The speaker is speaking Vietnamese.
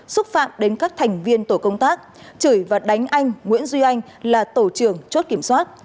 xúc phạm đến các thành viên tổ công tác chửi và đánh anh nguyễn duy anh là tổ trưởng chốt kiểm soát